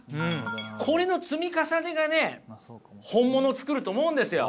これの積み重ねがね本物を作ると思うんですよ。